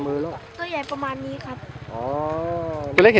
เฟี้ยงก่อนหินไปเห็นเจ้าเล็กเข้